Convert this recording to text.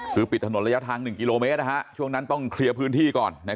คือปิดถนนระยะทาง๑กิโลเมตรช่วงนั้นต้องเคลียร์พื้นที่ก่อน